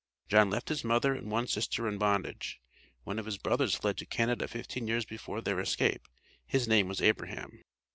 John left his mother and one sister in bondage. One of his brothers fled to Canada fifteen years before their escape. His name was Abraham.